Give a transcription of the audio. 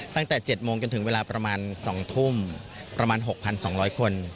ตั้งแต่๗โมงจนถึงเวลาประมาณ๒ทุ่มประมาณ๖๒๐๐คน